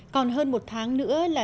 còn hơn một tháng nữa là